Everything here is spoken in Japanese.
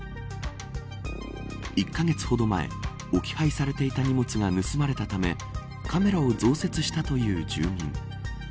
１カ月ほど前、置き配されていた荷物が盗まれたためカメラを増設したという住民。